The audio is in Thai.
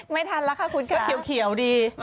ไม่ทันแล้วค่ะคุณคะคุณสิดี